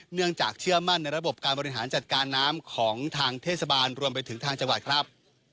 เนื่องจากเชื่อมั่นในระบบการบริหารจัดการน้ำของทางเทศบาลรวมไปถึงทางจังหวัดครับ